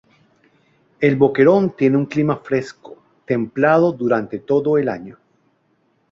El Boquerón tiene un clima fresco templado durante todo el año.